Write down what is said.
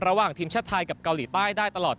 ระหว่างทีมชาติไทยกับเกาหลีใต้ได้ตลอด